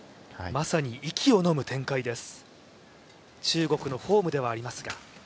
まさに息をのむ展開です。